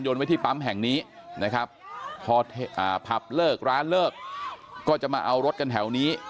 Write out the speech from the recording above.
ไว้ที่ปั๊มแห่งนี้นะครับพอผับเลิกร้านเลิกก็จะมาเอารถกันแถวนี้